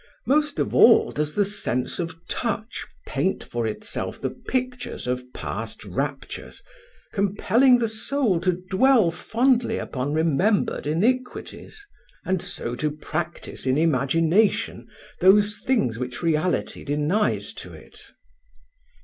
Most of all does the sense of touch paint for itself the pictures of past raptures, compelling the soul to dwell fondly upon remembered iniquities, and so to practice in imagination those things which reality denies to it.